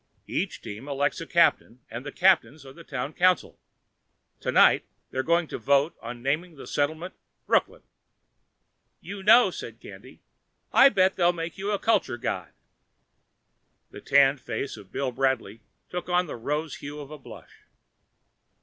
Each team elects a captain and the captains are the town council. Tonight they're going to vote on naming the settlement Brooklyn." "You know," said Candy, "I'll bet they'll make you a culture god." The tanned face of Bill Bradley took on the rose hue of a blush.